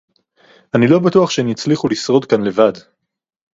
אני לא בטוח שהן יצליחו לשרוד כאן לבד